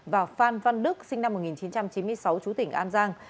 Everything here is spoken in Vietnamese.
và phan văn đức sinh năm một nghìn chín trăm chín mươi sáu chú tỉnh an giang